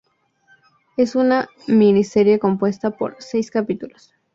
Es una miniserie compuesta por seis capítulos.